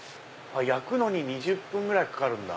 焼くのに２０分ぐらいかかるんだ。